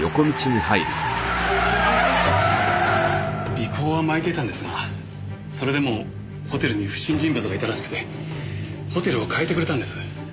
尾行はまいていたんですがそれでもホテルに不審人物がいたらしくてホテルを変えてくれたんです。